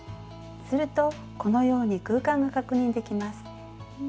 するとこのように空間が確認できます。